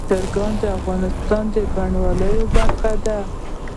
چرګان د افغانستان د بڼوالۍ برخه ده.